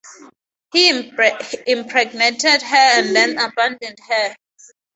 He impregnated her and then abandoned her.